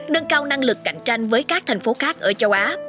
nâng cao năng lực cạnh tranh với các thành phố khác ở châu á